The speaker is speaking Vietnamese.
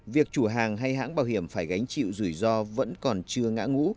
việc chủ hàng hay hãng bảo hiểm phải gánh chịu rủi ro vẫn còn chưa ngã ngũ